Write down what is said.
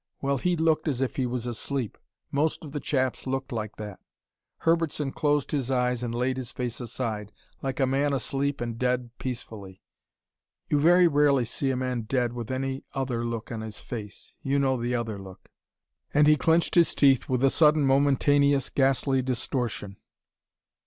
Well, he looked as if he was asleep. Most of the chaps looked like that." Herbertson closed his eyes and laid his face aside, like a man asleep and dead peacefully. "You very rarely see a man dead with any other look on his face you know the other look. " And he clenched his teeth with a sudden, momentaneous, ghastly distortion.